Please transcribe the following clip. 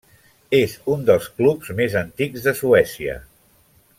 És un dels clubs més antics de Suècia.